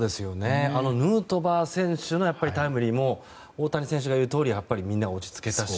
ヌートバー選手のタイムリーも大谷選手が言うとおりみんな落ち着けたし